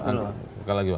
buka lagi pak